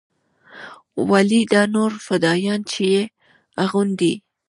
ولې دا نور فدايان چې يې اغوندي.